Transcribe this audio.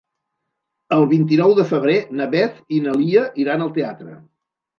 El vint-i-nou de febrer na Beth i na Lia iran al teatre.